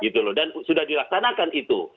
dan sudah dilaksanakan itu